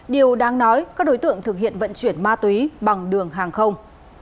điều đáng nói các đối tượng thực hiện vận chuyển ma túy bằng đường hàng không